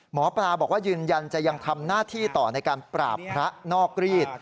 หมอปลาบอกว่ายืนยันจะยังทำหน้าที่ต่อในการปราบพระนอกรีด